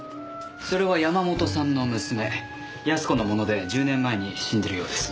それは山本さんの娘康子のもので１０年前に死んでるようです。